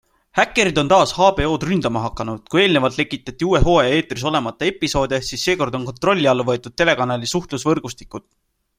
Häkkerid on taas HBO-d ründama hakanud, kui eelnevalt lekitati uue hooaja eetris olemata episoode, siis seekord on kontrolli alla võetud telekanali suhtlusvõrgustikud.